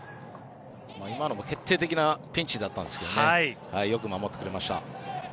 今のも決定的なピンチでしたがよく守ってくれました。